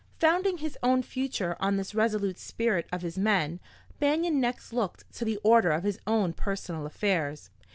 Founding his own future on this resolute spirit of his men, Banion next looked to the order of his own personal affairs.